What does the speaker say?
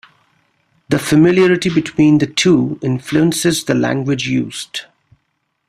The familiarity between the two influences the language used.